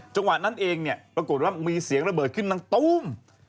จังหวัดนั้นเองปรากฏว่ามีเสียงระเบิดขึ้นนั้นตุ้ม